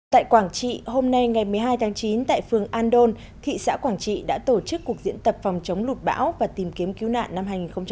tại quảng trị hôm nay ngày một mươi hai tháng chín tại phường an đôn thị xã quảng trị đã tổ chức cuộc diễn tập phòng chống lụt bão và tìm kiếm cứu nạn năm hai nghìn một mươi chín